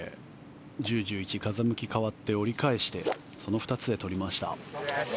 １０、１１風向き変わって、折り返してその２つで取りました。